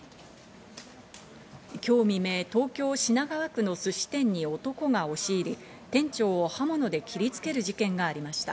今日未明、東京・品川区のすし店に男が押し入り、店長を刃物で切りつける事件がありました。